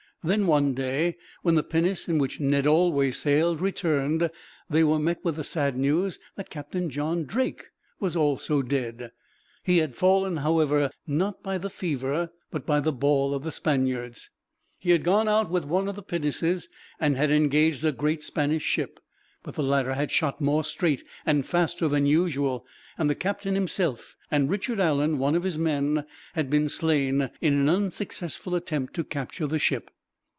Then one day, when the pinnace in which Ned always sailed returned, they were met with the sad news that Captain John Drake was also dead. He had fallen, however, not by the fever, but by the ball of the Spaniards. He had gone out with one of the pinnaces, and had engaged a great Spanish ship; but the latter had shot more straight and faster than usual, and the captain himself and Richard Allen, one of his men, had been slain in an unsuccessful attempt to capture the ship.